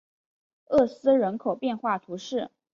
厄斯人口变化图示